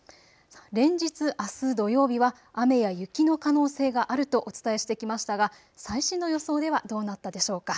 連日、あす土曜日は雨や雪の可能性があるとお伝えしてきましたが最新の予想ではどうなったでしょうか。